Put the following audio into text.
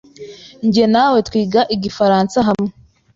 Jye nawe twiga Igifaransa hamwe.